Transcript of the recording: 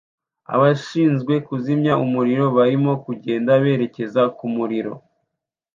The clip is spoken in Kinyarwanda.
Abashinzwe kuzimya umuriro barimo kugenda berekeza ku muriro